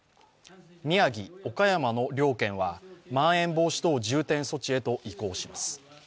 宮城、岡山の両県はまん延防止等重点措置へと移行します。